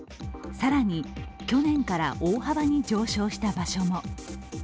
更に、去年から大幅に上昇した場所も。